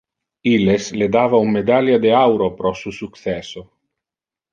Illes le dava un medalia de auro pro su successo.